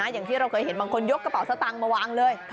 อย่างที่เราเคยเห็นบางคนยกกระเป๋าสตางค์มาวางเลย